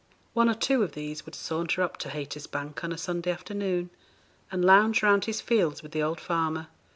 One or two of these would saunter up to Haytersbank on a Sunday afternoon, and lounge round his fields with the old farmer.